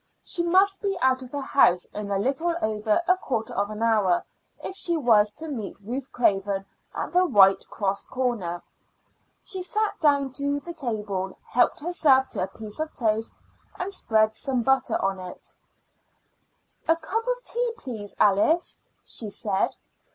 She must be out of the house in a little over a quarter of an hour if she was to meet Ruth Craven at the White Cross Corner. She sat down to the table, helped herself to a piece of toast, and spread some butter on it. "A cup of tea, please, Alice," she said.